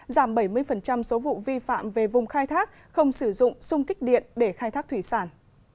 giảm bảy mươi số vụ vi phạm về vùng khai thác không sử dụng sung kích điện để khai thác thủy sản